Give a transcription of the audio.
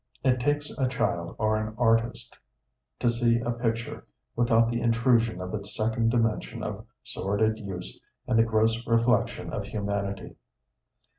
It takes a child or an artist to see a picture without the intrusion of its second dimension of sordid use and the gross reflection of humanity.